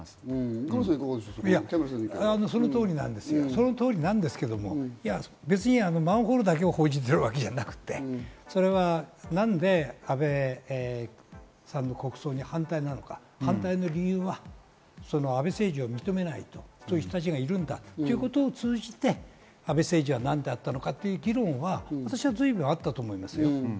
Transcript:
その通りなんですけど、別にマンホールだけを報じているわけじゃなくて、何で安倍さんの国葬に反対なのか、反対の理由は安倍政治を認めないという人たちがいるんだということを通じて安倍政治は何だったのかという議論は私は随分あったと思います。